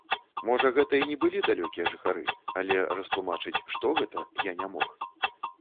Можа, гэта і не былі далёкія жыхары, але растлумачыць, што гэта, я не мог.